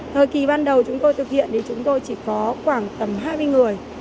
thời kỳ ban đầu chúng tôi thực hiện thì chúng tôi chỉ có khoảng tầm hai mươi người